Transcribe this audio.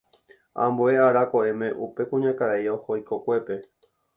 Ambue ára ko'ẽme upe kuñakarai oho ikokuépe.